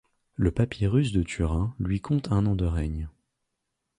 Le papyrus de Turin lui compte un an de règne.